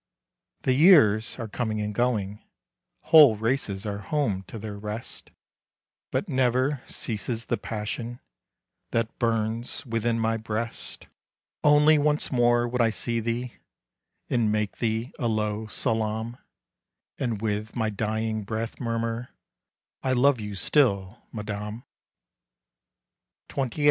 The years are coming and going, Whole races are home to their rest; But never ceases the passion That burns within my breast. Only once more I would see thee, And make thee a low salaam, And with my dying breath, murmur: "I love you still, Madame!" XXVIII.